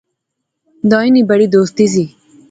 دائیں نی بڑی دوستی سی